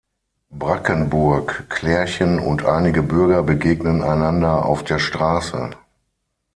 Brackenburg, Clärchen und einige Bürger begegnen einander auf der Straße.